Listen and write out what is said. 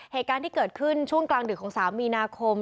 เหตุการณ์ที่เกิดขึ้นช่วงกลางดึกของ๓มีนาคม